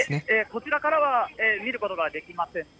こちらからは見ることができません。